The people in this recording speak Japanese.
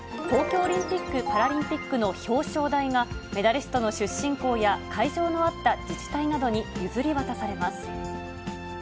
東京オリンピック・パラリンピックの表彰台が、メダリストの出身校や、会場のあった自治体などに譲り渡されます。